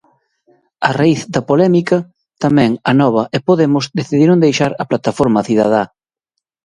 A raíz da polémica, tamén Anova e Podemos decidiron deixar a plataforma cidadá.